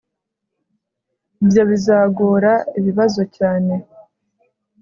Ibyo bizagora ibibazo cyane